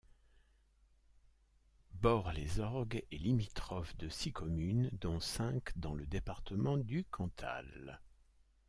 Bort-les-Orgues est limitrophe de six communes, dont cinq dans le département du Cantal.